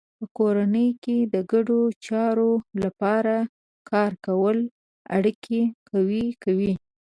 په کورنۍ کې د ګډو چارو لپاره کار کول اړیکې قوي کوي.